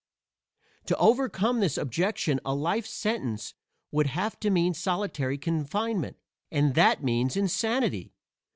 To overcome this objection a life sentence would have to mean solitary confinement, and that means insanity.